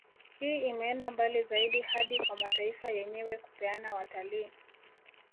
Hii imeenda mbali zaidi hadi kwa mataifa yenyewe kupeana watalii